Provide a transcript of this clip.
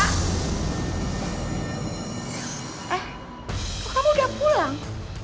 eh kamu udah pulang